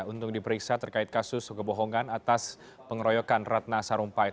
untuk diperiksa terkait kasus kebohongan atas pengeroyokan ratna sarumpait